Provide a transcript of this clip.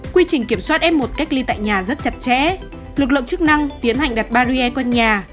quy trình kiểm soát f một cách ly tại nhà rất chặt chẽ lực lượng chức năng tiến hành đặt barrier quanh nhà